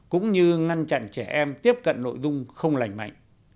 cũng như ngăn chặn trẻ em tiếp cận nội dung không lành mạnh